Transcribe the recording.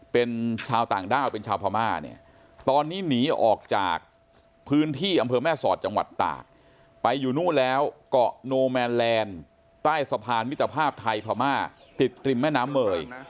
เป็นชาวต่างด้าวเป็นชาวพม่าเนี่ยตอนนี้หนีออกจากพื้นที่อำเภอแม่สอดจังหวัดตากไปอยู่นู่นแล้วเกาะโนแมนแลนด์ใต้สะพานมิตรภาพไทยพม่าติดริมแม่น้ำเมย